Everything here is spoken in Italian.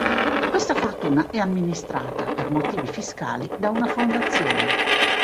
Questa fortuna è amministrata, per motivi fiscali, da una Fondazione.